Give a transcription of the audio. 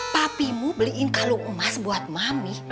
papimu beliin kalung emas buat mami